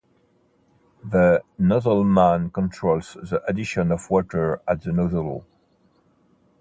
The nozzleman controls the addition of water at the nozzle.